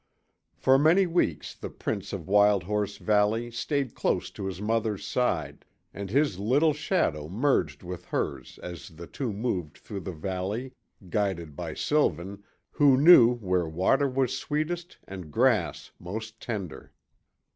For many weeks the prince of Wild Horse Valley stayed close to his mother's side, and his little shadow merged with hers as the two moved through the valley, guided by Sylvan, who knew where water was sweetest and grass most tender.